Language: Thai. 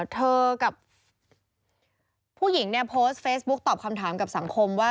เธอกับผู้หญิงเนี่ยโพสต์เฟซบุ๊กตอบคำถามกับสังคมว่า